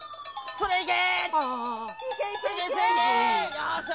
それいけ！